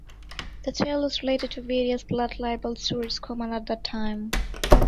The tale is related to various blood libel stories common at the time.